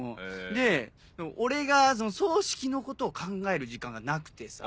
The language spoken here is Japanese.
で俺が葬式のことを考える時間がなくてさ。